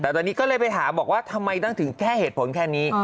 แต่ตอนนี้ก็เลยไปถามบอกว่าทำไมต้องถึงแค่เหตุผลแค่นี้